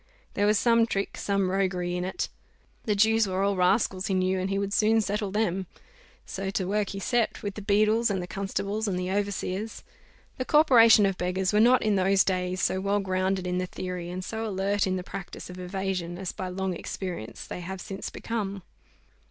There was some trick, some roguery in it. The Jews were all rascals, he knew, and he would soon settle them. So to work he set with the beadles, and the constables, and the overseers. The corporation of beggars were not, in those days, so well grounded in the theory and so alert in the practice of evasion as, by long experience, they have since become.